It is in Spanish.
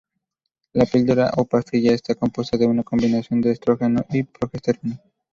La píldora o pastilla está compuesta de una combinación de estrógeno y progesterona.